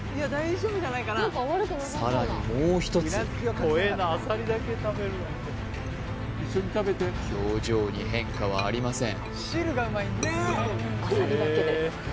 さらにもう一つ表情に変化はありません